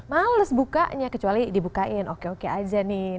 males bukanya kecuali dibukain oke oke aja nih